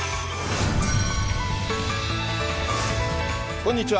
こんにちは。